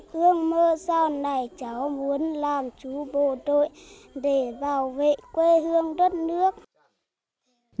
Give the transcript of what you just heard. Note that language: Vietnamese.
hứa mơ sau này cháu muốn làm chú bộ đội để bảo vệ quê hương đất nước